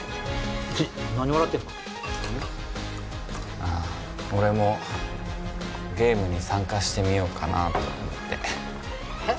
ああ俺もゲームに参加してみようかなと思ってえっ？